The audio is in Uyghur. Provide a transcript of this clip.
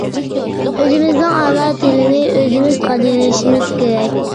ئۆزىمىزنىڭ ئانا تىلىنى ئۆزىمىز قەدىرلىشىمىز كېرەك.